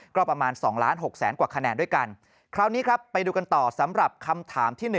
ก็ประมาณ๒ล้าน๖แสนกว่าคะแนนด้วยกันคราวนี้ครับไปดูกันต่อสำหรับคำถามที่๑